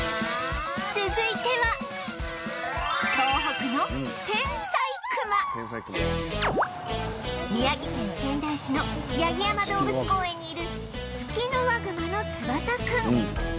続いては宮城県仙台市の八木山動物公園にいるツキノワグマのツバサくん